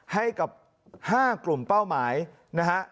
ให้กับ๕กลุ่มเป้าหมายนะฮะ